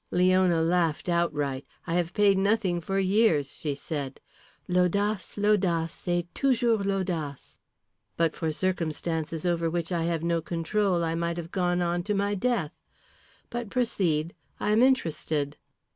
Leona laughed outright. "I have paid for nothing for years," she said. "L'audace, l'audace et toujours l'audace! But for circumstances over which I had no control I might have gone on to my death. But proceed. I am interested."